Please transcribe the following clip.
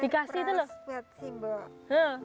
kertas buat simbol